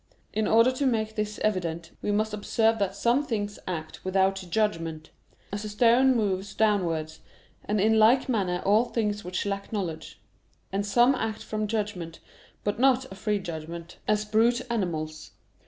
In order to make this evident, we must observe that some things act without judgment; as a stone moves downwards; and in like manner all things which lack knowledge. And some act from judgment, but not a free judgment; as brute animals.